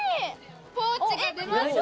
ポーチが出ました。